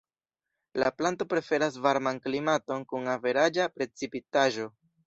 La planto preferas varman klimaton kun averaĝa precipitaĵo.